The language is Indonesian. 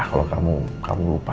kalau kamu lupa